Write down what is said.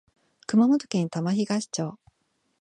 熊本県玉東町